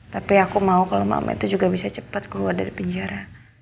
tapi aku mau kalau mama itu juga bisa cepat keluar dari penjara